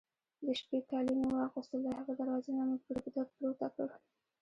د شپې کالي مې واغوستل، له هغې دروازې نه مې پرده پورته کړل.